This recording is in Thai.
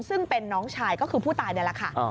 ซึ่งเป็นน้องชายก็คือผู้ตายนี่แหละค่ะ